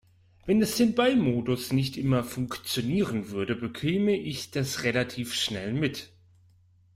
Wenn der Standby-Modus nicht mehr funktionieren würde, bekäme ich das relativ schnell mit.